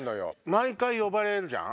毎回呼ばれんじゃん。